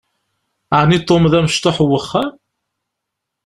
Ɛni d Tom i d amecṭuḥ n uxxam?